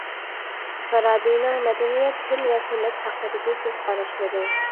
فارابىنىڭ مەدەنىيەت، تىل ۋە سەنئەت ھەققىدىكى كۆز قاراشلىرى.